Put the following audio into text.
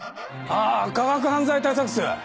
あぁ科学犯罪対策室。